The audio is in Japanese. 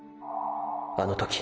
あの時――